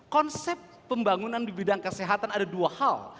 konsep pembangunan di bidang kesehatan ada dua hal